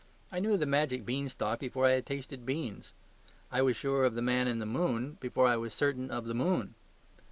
I knew the magic beanstalk before I had tasted beans; I was sure of the Man in the Moon before I was certain of the moon.